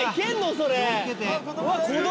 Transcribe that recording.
それ。